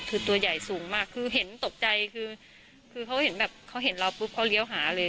คือตัวใหญ่สูงมากคือเห็นตกใจคือเขาเห็นแบบเขาเห็นเราปุ๊บเขาเลี้ยวหาเลย